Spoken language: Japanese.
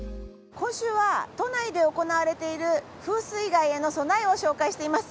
今週は都内で行われている風水害への備えを紹介しています。